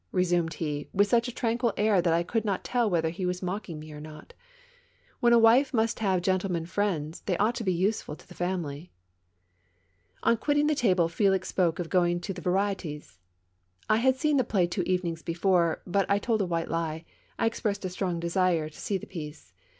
resumed he, with such a tran quil air that I could not tell whether he was mocking me or not. " When a wife must have gentlemen friends, they ought to be useful to the family!" On quitting the table Felix spoke of going to the Varidtes. I had seen the play two evenings before; but I told a white lie — I expressed a strong desire to see the piece.